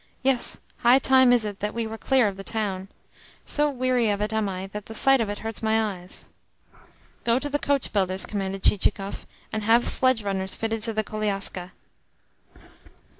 Yes, high time is it that we were clear of the town. So weary of it am I that the sight of it hurts my eyes." "Go to the coachbuilder's," commanded Chichikov, "and have sledge runners fitted to the koliaska."